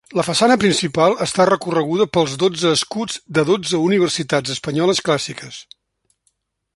La façana principal està recorreguda pels dotze escuts de dotze universitats espanyoles clàssiques.